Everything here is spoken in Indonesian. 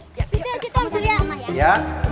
situ situ pak surya